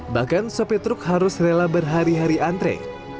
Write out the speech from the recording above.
bahkan sopi truk harus rela berhari hari antre